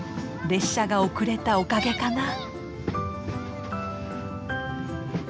列車が遅れたおかげかな？